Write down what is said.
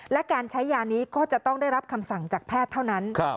และการใช้ยานี้ก็จะต้องได้รับคำสั่งจากแพทย์เท่านั้น